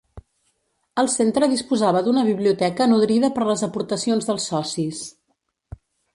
El centre disposava d'una biblioteca nodrida per les aportacions dels socis.